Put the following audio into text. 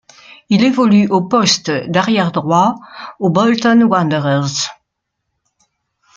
Il évolue au poste d'arrière-droit aux Bolton Wanderers.